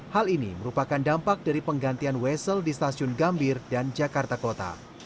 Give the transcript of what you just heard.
hal ini merupakan dampak dari penggantian wesel di stasiun gambir dan jakarta kota